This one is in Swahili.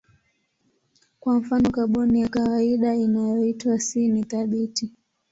Kwa mfano kaboni ya kawaida inayoitwa C ni thabiti.